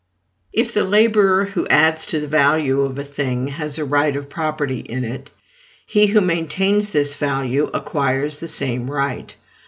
If the laborer, who adds to the value of a thing, has a right of property in it, he who maintains this value acquires the same right.